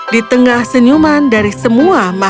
di tengah senyuman dari semua masyarakat